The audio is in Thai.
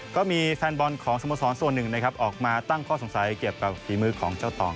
ก็มีแฟนบอลของสมสรรส่วน๑ออกมาตั้งข้อสงสัยเกี่ยวกับฝีมือของเจ้าตอง